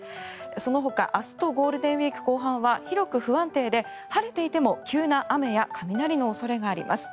そのほか明日とゴールデンウィーク後半は広く不安定で晴れていても急な雨や雷の恐れがあります。